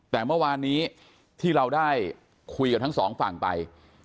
แต่เมื่อวานนี้ที่เราได้คุยกับทั้งสองฝั่งไป